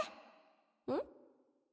うん？